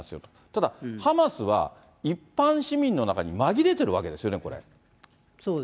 ただ、ハマスは一般市民の中に紛れてるわけですよね、これ。